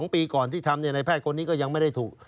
๒ปีก่อนที่ทำในแพทย์คนนี้ก็ยังไม่ได้ถูก